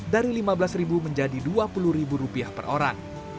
dari lima belas menjadi dua puluh rupiah per orang